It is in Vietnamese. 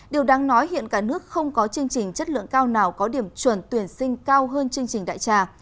điều đáng nói hiện cả nước không có chương trình chất lượng cao nào có điểm chuẩn tuyển sinh cao hơn chương trình đại trà